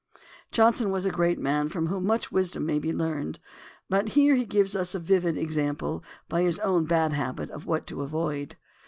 Johnson was a great man from whom much wisdom may be learned, but here he gives us a vivid example, by his own bad habit, of what to avoid.